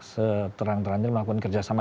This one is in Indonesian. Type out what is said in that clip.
seterang terangnya melakukan kerjasama